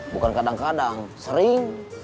bukan kadang kadang sering